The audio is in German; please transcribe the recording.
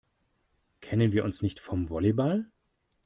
Kennen wir uns nicht vom Volleyball?